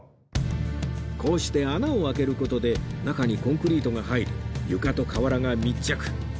こうして穴を開ける事で中にコンクリートが入り床と瓦が密着